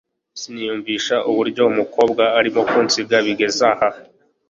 siniyumvisha uburyo umukobwa arimo kunsiga bigezaha